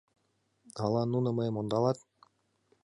Ала нуно мыйым ондалат...